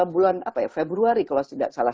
bulan februari kalau tidak salah